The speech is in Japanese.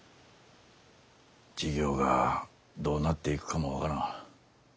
事業がどうなっていくかも分からん。